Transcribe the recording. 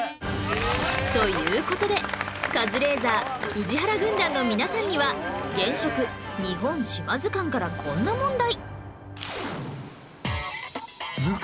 という事でカズレーザー＆宇治原軍団の皆さんには『原色日本島図鑑』からこんな問題